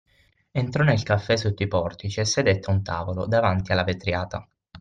Entrò nel caffè sotto i portici e sedette a un tavolo, davanti alla vetriata.